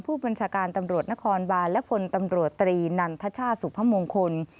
ผู้บัญชาการตำรวจนครบานและพลตำรวจตรีนันทชาติสุพมงคล